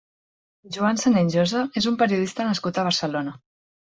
Joan Senent-Josa és un periodista nascut a Barcelona.